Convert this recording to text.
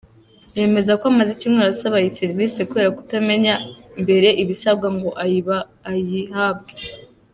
Yemeza ko amaze icyumweru asaba iyi serivisi kubera kutamenya mbere ibisabwa ngo ayihabwe.